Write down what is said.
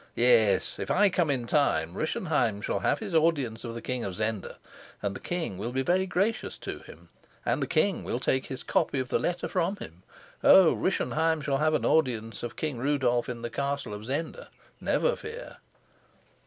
Yes, if I come in time, Rischenheim shall have his audience of the king of Zenda, and the king will be very gracious to him, and the king will take his copy of the letter from him! Oh, Rischenheim shall have an audience of King Rudolf in the castle of Zenda, never fear!"